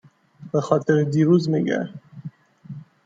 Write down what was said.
به خاطر دیروز می گه